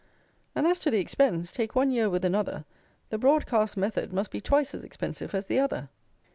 And as to the expense, take one year with another, the broad cast method must be twice as expensive as the other.